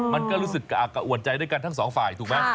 มันก็รู้สึกกระอ่วนใจด้วยกันทั้งสองฝ่ายถูกไหม